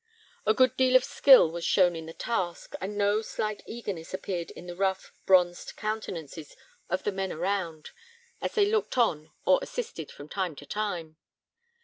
A good deal of skill was shown in the task, and no slight eagerness appeared in the rough, bronzed countenances of the men around, as they looked on or assisted from time to time.